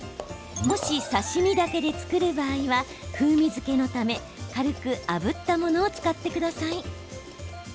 もし刺身だけで作る場合は風味付けのため軽くあぶったものを使ってください。